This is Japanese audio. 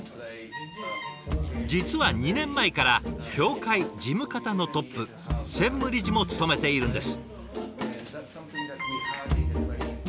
実は２年前から協会事務方のトップ専務理事も務めているんです。